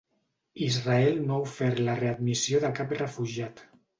Israel no ha ofert la readmissió de cap refugiat.